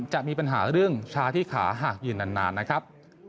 จะมีปัญหาเรื่องชาที่ขาหากยืนนานนะครับ